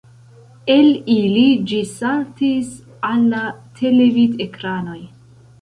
El ili ĝi saltis al la televidekranoj.